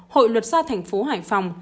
hội luật gia thành phố hải phòng